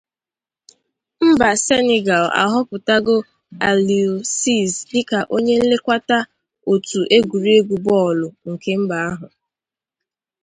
Mba Senegal ahọpụtago Aliou Cisse dịka onye nlekwata otu egwuregwu bọọlụ nke mba ahụ